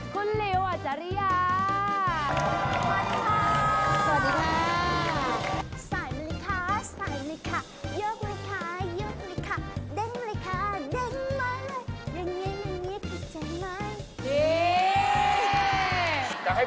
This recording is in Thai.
ก็แค่เลยได้